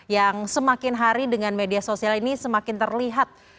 yang semakin hari dengan media sosial ini semakin terlihat